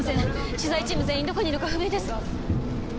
取材チーム全員どこにいるか不明です。